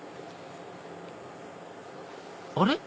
あれ？